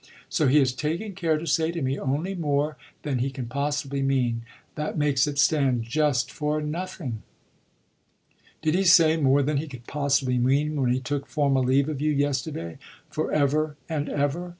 So he has taken care to say to me only more than he can possibly mean. That makes it stand just for nothing." "Did he say more than he can possibly mean when he took formal leave of you yesterday for ever and ever?"